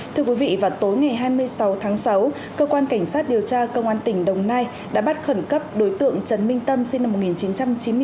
thưa quý vị vào tối ngày hai mươi sáu tháng sáu cơ quan cảnh sát điều tra công an tỉnh đồng nai đã bắt khẩn cấp đối tượng trần minh tâm sinh năm một nghìn chín trăm chín mươi bốn